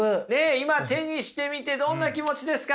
今手にしてみてどんな気持ちですか？